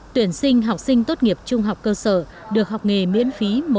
tuyển sinh học sinh tốt nghiệp trung học cơ sở được học nghề miễn phí một trăm linh